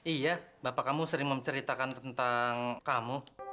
iya bapak kamu sering menceritakan tentang kamu